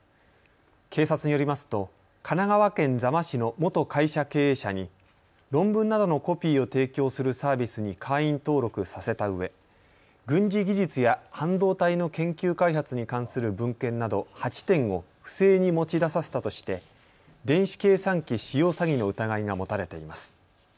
警察によりますと神奈川県座間市の元会社経営者に論文などのコピーを提供するサービスに会員登録させたうえ軍事技術や半導体の研究開発に関する文献など８点を不正に持ち出させたとして電子計算機使用詐欺の疑いが持たれています。